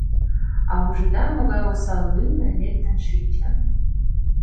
А ужыда, могай осал лӱмӧ лектын шинчын!